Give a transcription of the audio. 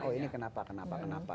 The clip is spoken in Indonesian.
oh ini kenapa kenapa kenapa